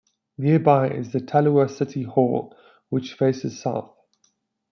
Nearby is the Tallulah City Hall, which faces south.